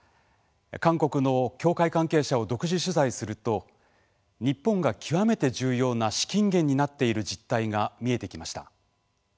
韓国の教会関係者を独自取材すると日本が極めて重要な資金源になっている実態が見えてきました。